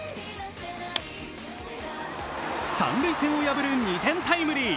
三塁線を破る２点タイムリー。